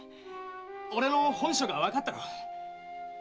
俺の本性がわかったろ？